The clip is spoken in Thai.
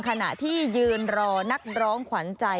ขณะที่ยืนรอนักร้องขวัญใจ